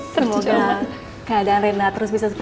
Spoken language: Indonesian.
semoga keadaan rina terus bisa sempat